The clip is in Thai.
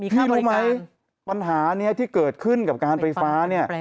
พี่รู้ไหมปัญหาที่เกิดขึ้นกับการไฟฟ้า